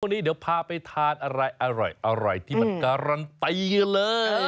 วันนี้เดี๋ยวพาไปทานอะไรอร่อยที่มันการันตีกันเลย